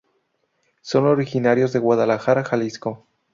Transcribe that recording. Son originarios de Guadalajara, Jalisco.